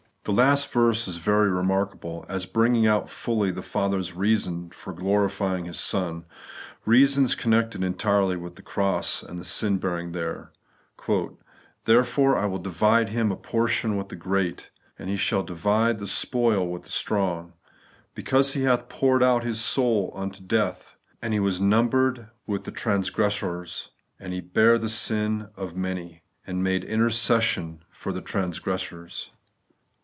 . The last verse is very remarkable, as bringing out fully the Father's reasons for glorifying His Son; reasons connected entirely with the cross and the sin bearing there :* Therefore will I divide Him a portion with the great. And He shaU divide the spoil with the strong, Because He hath poured out His soul unto death. And He was numbered with the transgressors ; And He bare the sin of many, And MADE intercession for the transgressors.